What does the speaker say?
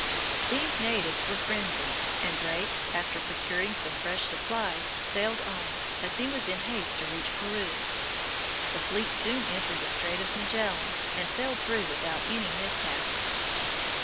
These natives were friendly, and Drake, after procuring some fresh supplies, sailed on, as he was in haste to reach Peru. The fleet soon entered the Strait of Magellan, and sailed through without any mishap.